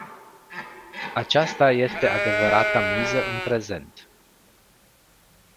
Aceasta este adevărata miză în prezent.